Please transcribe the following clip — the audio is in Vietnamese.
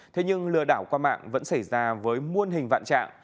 thế nhưng lừa đảo qua mạng vẫn xảy ra với muôn hình vạn trạng